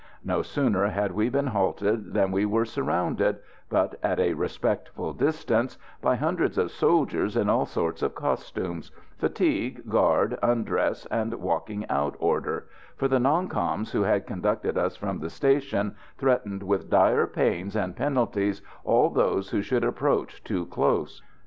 No sooner had we been halted than we were surrounded, but at a respectful distance, by hundreds of soldiers in all sorts of costumes fatigue, guard, undress and walking out order for the "non coms" who had conducted us from the station threatened with dire pains and penalties all those who should approach too close.